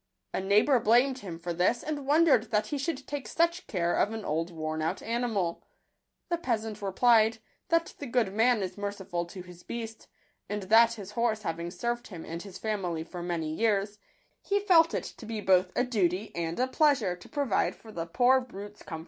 A neighbour blamed him for this, and wondered that he should take such care of an old worn out animal. The peasant re plied, that the good man is merciful to his beast, and that his horse having served him and his fa mily for many years, he felt it to be both a duty and a pleasure to provide for the poor brute's com fort and ease in his latter days.